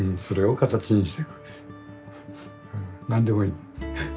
何でもいい。